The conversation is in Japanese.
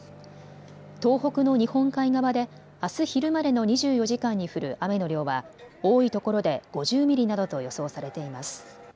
東北の日本海側であす昼までの２４時間に降る雨の量は多いところで５０ミリなどと予想されています。